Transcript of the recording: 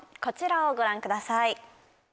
こちらをご覧ください